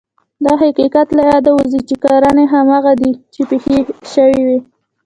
دا حقیقت له یاده ووځي چې کړنې هماغه دي چې پېښې شوې.